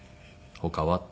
「他は？」って。